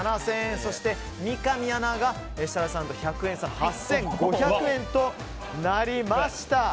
そして三上アナが設楽さんと１００円差の８５００円となりました。